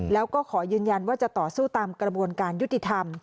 แล้วก็ขอยืนยันว่าจะต่อสู้ตามกระบวนการยุติธรรม